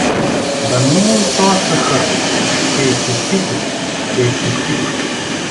Да мине и тоя кахър… — Ще е честито, ще е честито!